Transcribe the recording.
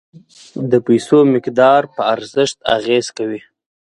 د پیسو مقدار په ارزښت اغیز کوي.